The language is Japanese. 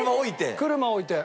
車置いて？